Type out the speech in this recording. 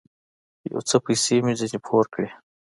يو څه پيسې مې ځنې پور کړې.